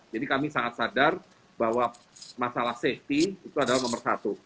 jadi kami sangat sadar bahwa masalah safety itu adalah nomor satu